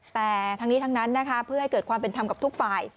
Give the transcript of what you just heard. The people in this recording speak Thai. แต่ทั้งนี้ทั้งนั้นนะคะเพื่อให้เกิดความเป็นธรรมกับทุกฝ่าย